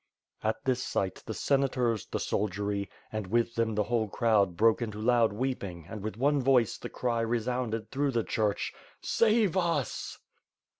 At this sight, the Senators, the soldiery, and, with them the whole crowd broke into loud weeping and, with one voice, the cry resounded through the church: "Save us!"